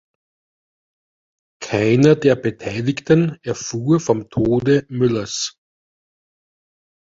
Keiner der Beteiligten erfuhr vom Tode Müllers.